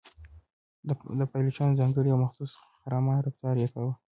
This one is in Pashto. د پایلوچانو ځانګړی او مخصوص خرامان رفتار یې کاوه.